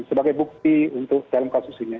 sebagai bukti untuk dalam kasus ini